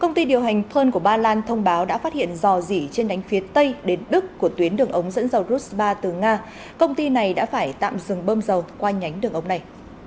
công ty điều hành thơn của ba lan thông báo đã phát hiện dò dỉ trên đánh phía tây đến đức của tuyến đường ống dẫn dầu ruspa từ nga công ty này đã phải tạm dừng bơm dầu qua nhánh đường ống này